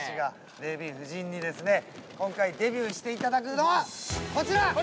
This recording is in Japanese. ◆デヴィ夫人にですね、今回デビューしていただくのはこちら！